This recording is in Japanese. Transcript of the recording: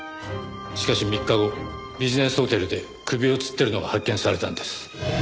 しかし３日後ビジネスホテルで首を吊ってるのが発見されたんです。